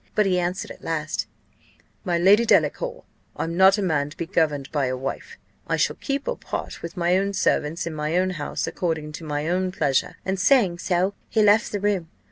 But he answered at last, 'My Lady Delacour, I'm not a man to be governed by a wife I shall keep or part with my own servants in my own house, according to my own pleasure;' and saying so, he left the room.